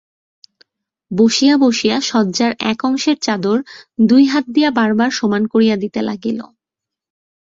বসিয়া বসিয়া শয্যার এক অংশের চাদর দুই হাত দিয়া বারবার সমান করিয়া দিতে লাগিল।